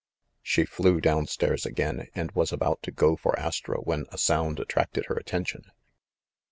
She flew down stairs again, and was about to go for Astro, when a sound attracted her attention.